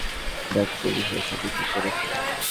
দেখ পুলিশ ওর সাথে কি করেছে।